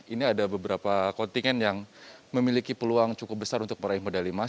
ini ada beberapa kontingen yang memiliki peluang cukup besar untuk meraih medali emas